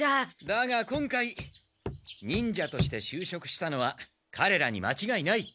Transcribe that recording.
だが今回忍者として就職したのはかれらにまちがいない。